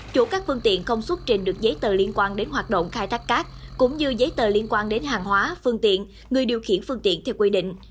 chủ các phương tiện không xuất trình được giấy tờ liên quan đến hoạt động khai thác cát cũng như giấy tờ liên quan đến hàng hóa phương tiện người điều khiển phương tiện theo quy định